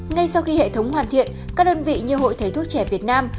ngay sau khi hệ thống hoàn thiện các đơn vị như hội thầy thuốc trẻ việt nam